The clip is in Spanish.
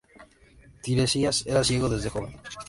Tiresias era ciego desde joven.